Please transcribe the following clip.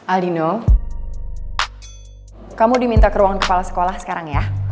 aldino kamu diminta ke ruang kepala sekolah sekarang ya